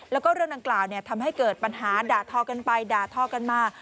แล้วก็เรื่องดังกล่าวทำให้เกิดปัญหาด่าทอกันไปด่าทอกันมา